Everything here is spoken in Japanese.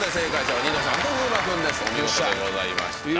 お見事でございました。